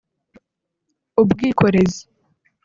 ubwikorezi